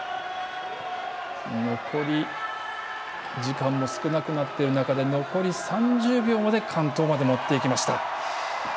残り時間も少なくなっている中で残り３０秒で完登まで持っていきました。